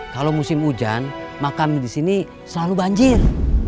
kalau musim hujan makam di sini selalu banjir